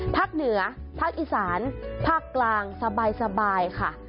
ภาคเหนือภาคอีสานภาคกลางสบายค่ะ